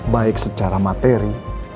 baik secara materi